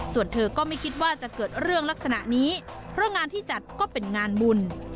ส่วนเธอก็ไม่คิดว่าจะเกิดเรื่องลักษณะนี้เพราะงานที่จัดก็เป็นงานบุญ